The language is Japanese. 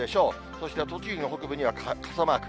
そして栃木の北部には傘マーク。